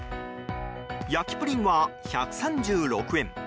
焼きプリンは１３６円。